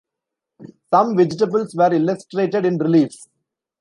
Some vegetables were illustrated in reliefs.